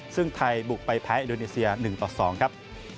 ซึ่งไทยบุกไปแพ้อดูนีเซีย๑๒ครับ